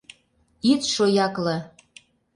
— Ит шоякле!